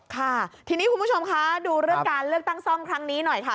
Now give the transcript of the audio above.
ค่ะทีนี้คุณผู้ชมคะดูเรื่องการเลือกตั้งซ่อมครั้งนี้หน่อยค่ะ